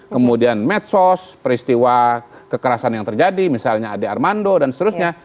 kemudian medsos peristiwa kekerasan yang terjadi misalnya ade armando dan seterusnya